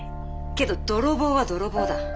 けど泥棒は泥棒だ。